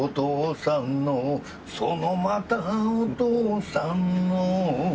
「そのまたお父さんの」